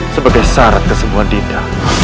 sebagai syarat kesembuhan dinda